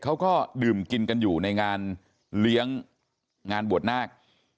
เขาก็ดื่มกินกันอยู่ในงานเลี้ยงงานบวชนาค